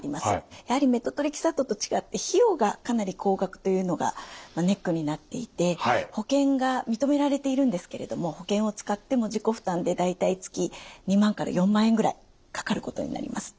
やはりメトトレキサートと違って費用がかなり高額というのがネックになっていて保険が認められているんですけれども保険を使っても自己負担で大体月２万から４万円ぐらいかかることになります。